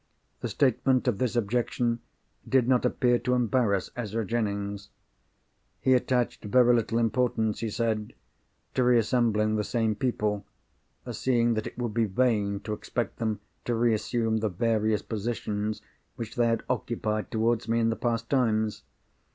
The statement of this objection did not appear to embarrass Ezra Jennings. He attached very little importance, he said, to reassembling the same people—seeing that it would be vain to expect them to reassume the various positions which they had occupied towards me in the past times.